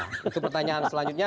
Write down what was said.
itu pertanyaan selanjutnya